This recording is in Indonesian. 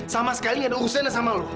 sama sekali gak ada urusan yang sama lo